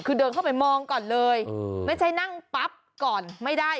คือเดินเข้าไปมองก่อนเลยไม่ใช่นั่งปั๊บก่อนไม่ได้